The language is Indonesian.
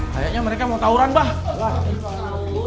kayaknya mereka mau tawuran bah